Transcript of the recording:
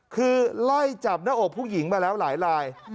คือไล่จับหน้าอกผู้หญิงมาแล้วหลายลาย